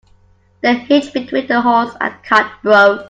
The hitch between the horse and cart broke.